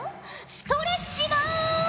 ストレッチマン！